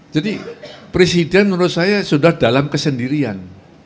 jadi presiden menurut saya sudah dalam kesendirian